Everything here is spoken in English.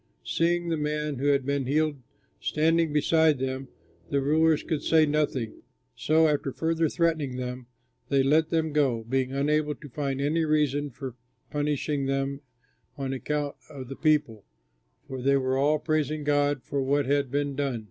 Seeing the man who had been healed standing beside them, the rulers could say nothing. So, after further threatening them, they let them go, being unable to find any reason for punishing them on account of the people, for they were all praising God for what had been done.